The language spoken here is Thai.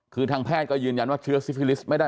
คือทางแพทย์ก็ยืนยันว่าเชื้อซิฟิลิสต์ไม่ได้